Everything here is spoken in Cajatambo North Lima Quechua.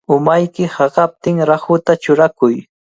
Umayki hakaptin rahuta churakuy.